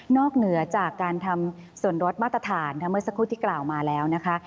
เหนือจากการทำส่วนลดมาตรฐานทั้งเมื่อสักครู่ที่กล่าวมาแล้วนะคะ